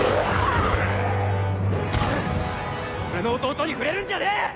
俺の弟に触れるんじゃねえ！